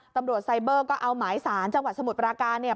ตำรวจไซเบอร์ก็เอาหมายสารจังหวัดสมุทรปราการเนี่ย